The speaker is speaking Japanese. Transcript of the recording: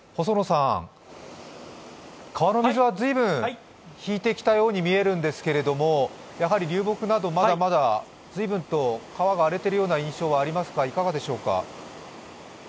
川の水は随分引いてきたように見えるんですけども、やはり流木などまだまだ随分と川は荒れているような印象はありますか？